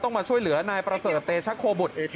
มาช่วยเหลือนายประเสริฐเตชะโคบุตร